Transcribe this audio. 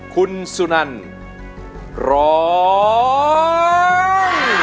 คุณสุนันร้อง